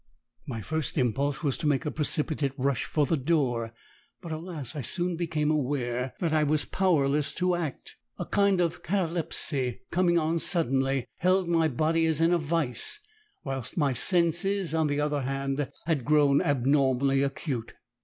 My first impulse was to make a precipitate rush for the door, but, alas! I soon became aware that I was powerless to act; a kind of catalepsy, coming on suddenly, held my body as in a vice, whilst my senses, on the other hand, had grown abnormally acute.